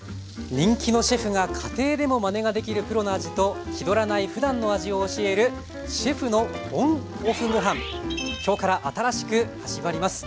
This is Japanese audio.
人気のシェフが家庭でもまねができるプロの味と気取らないふだんの味を教える今日から新しく始まります。